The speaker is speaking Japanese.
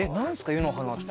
湯の花って。